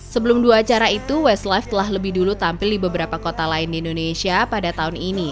sebelum dua acara itu westlife telah lebih dulu tampil di beberapa kota lain di indonesia pada tahun ini